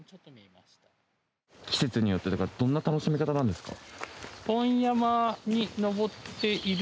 季節によってどんな楽しみ方なんですか？